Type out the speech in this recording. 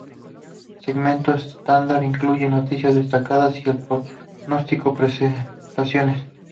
Segmentos estándar incluyen "Noticias Destacadas" y el "Pronóstico Prestaciones".